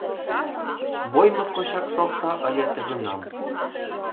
Бой моткочак шокшо ыле тыгунам.